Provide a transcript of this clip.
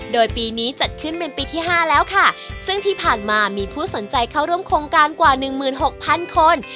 โดยปีนี้จัดขึ้นเป็นปีที่ห้าแล้วค่ะซึ่งที่ผ่านมามีผู้สนใจเข้าร่วมโครงการกว่าหนึ่งหมื่นหกพันคน